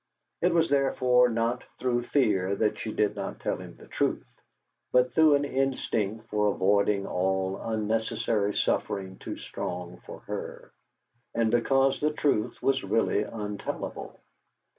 It was, therefore, not through fear that she did not tell him the truth, but through an instinct for avoiding all unnecessary suffering too strong for her, and because the truth was really untellable.